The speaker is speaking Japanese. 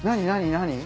何？